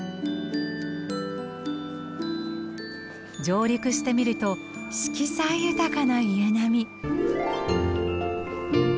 上陸してみると色彩豊かな家並み。